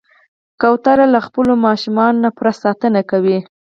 کوتره له خپلو ماشومانو نه پوره ساتنه کوي.